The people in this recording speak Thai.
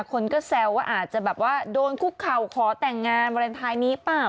คนก็แซวว่าอาจจะแบบว่าโดนคุกเข่าขอแต่งงานวาเลนไทยนี้เปล่า